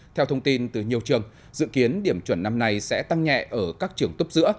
theo thông tin từ nhiều trường dự kiến điểm chuẩn năm nay sẽ tăng nhẹ ở các trường tốt giữa